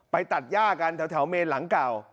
ตัดย่ากันแถวเมนหลังเก่า